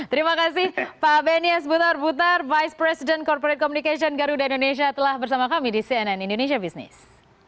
terima kasih pak benny s butar butar vice president corporate communication garuda indonesia telah bersama kami di cnn indonesia business